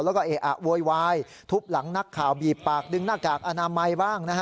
แล้วก็เอะอะโวยวายทุบหลังนักข่าวบีบปากดึงหน้ากากอนามัยบ้างนะฮะ